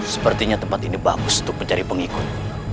sepertinya tempat ini bagus untuk mencari pengikut